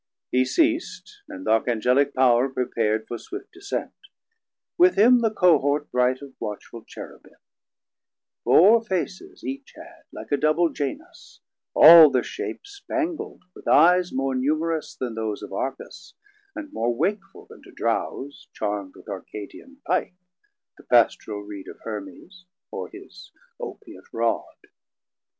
He ceas'd; and th' Archangelic Power prepar'd For swift descent, with him the Cohort bright Of watchful Cherubim; four faces each Had, like a double Janus, all thir shape Spangl'd with eyes more numerous then those 130 Of Argus, and more wakeful then to drouze, Charm'd with Arcadian Pipe, the Pastoral Reed Of Hermes, or his opiate Rod.